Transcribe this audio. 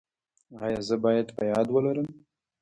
ایا زه باید په یاد ولرم؟